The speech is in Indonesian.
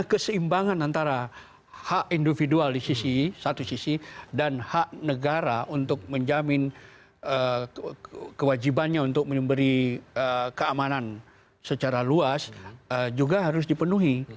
keseimbangan antara hak individual di sisi satu sisi dan hak negara untuk menjamin kewajibannya untuk memberi keamanan secara luas juga harus dipenuhi